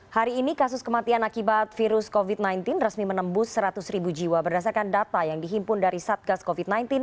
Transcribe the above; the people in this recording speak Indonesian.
hari ini kasus kematian akibat virus covid sembilan belas resmi menembus seratus ribu jiwa berdasarkan data yang dihimpun dari satgas covid sembilan belas